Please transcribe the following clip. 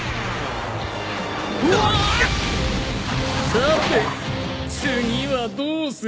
さて次はどうするかね？